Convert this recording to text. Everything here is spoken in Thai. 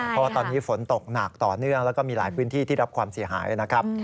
เพราะว่าตอนนี้ฝนตกหนักต่อเนื่องแล้วก็มีหลายพื้นที่ที่รับความเสียหายนะครับ